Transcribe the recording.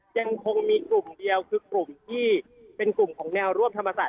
ยังคงมีกลุ่มเดียวคือกลุ่มที่เป็นกลุ่มของแนวร่วมธรรมศาส